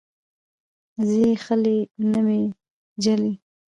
ځي خلې نه مې جلۍ